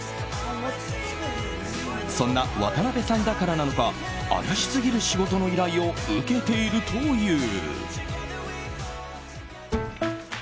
そんな渡邊さんだからなのか怪しすぎる仕事の依頼を受けているという。